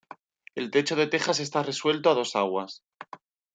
El techo de tejas está resuelto a dos aguas.